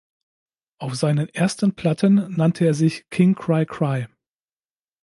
Auf seinen ersten Platten nannte er sich "King Cry Cry".